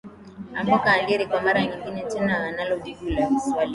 amboka andere kwa mara nyingine tena analo jibu la swali hili